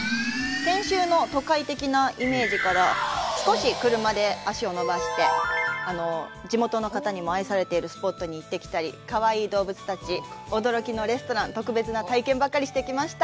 先週の都会的なイメージから少し車で足を延ばして、地元の方にも愛されているスポットに行ってきたり、かわいい動物たち、驚きのレストラン、特別な体験ばかりしてきました。